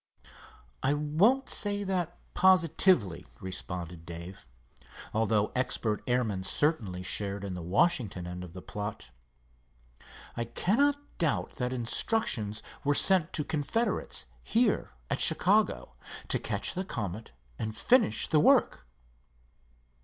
"I won't say that positively," responded Dave, "although expert airmen certainly shared in the Washington end of the plot. I cannot doubt that instructions were sent to confederates here at Chicago to catch the Comet and finish the work."